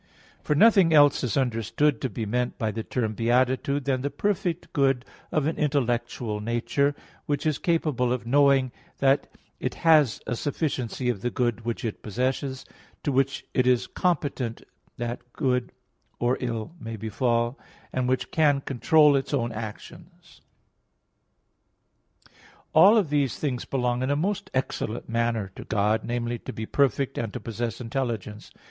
For nothing else is understood to be meant by the term beatitude than the perfect good of an intellectual nature; which is capable of knowing that it has a sufficiency of the good which it possesses, to which it is competent that good or ill may befall, and which can control its own actions. All of these things belong in a most excellent manner to God, namely, to be perfect, and to possess intelligence.